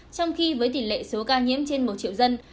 trong khi với tỷ lệ số ca nhiễm trên một triệu dân